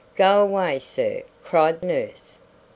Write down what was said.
"Go away, sir," cried nurse.